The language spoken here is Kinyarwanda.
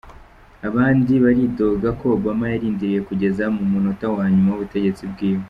Abandi baridoga ko Obama yarindiriye kugeza mu munota wa nyuma w'ubutegetsi bwiwe.